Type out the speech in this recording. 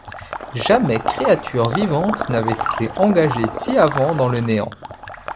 Jamais créature vivante n’avait été engagée si avant dans le néant.